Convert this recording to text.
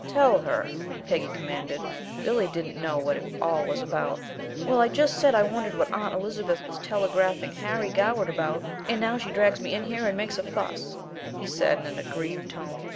"Tell her," Peggy commanded. Billy didn't know what it all was about. "Why, I just said I wondered what Aunt Elizabeth was telegraphing Harry Goward about, and now she drags me in here and makes a fuss," he said, in an aggrieved tone.